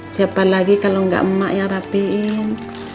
siapa lagi kalau gak emak yang rapihin